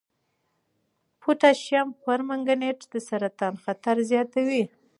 پوټاشیم برومیټ د سرطان خطر زیاتوي.